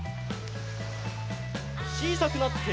ちいさくなって。